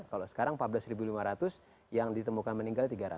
kalau sekarang empat belas lima ratus yang ditemukan meninggal tiga ratus